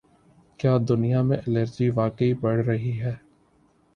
کیا دنیا میں الرجی واقعی بڑھ رہی ہے